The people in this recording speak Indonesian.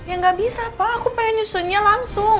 ya nggak bisa pak aku pengen nyusunnya langsung